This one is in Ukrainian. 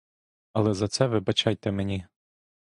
Але за це вибачайте мені.